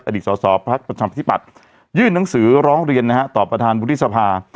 อดีตสอบพระพระชำพฤติปัตยื่นนังสือร้องเรียนต่อประธานบุริษภา